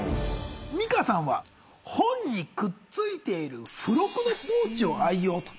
美香さんは本にくっついている付録のポーチを愛用と。